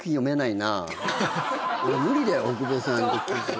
俺無理だよ大久保さんとキス。